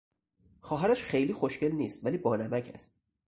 خواهرش خیلی خوشگل نیست ولی بانمک است.